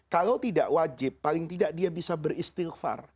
kalau tidak wajib paling tidak dia bisa beristilgfar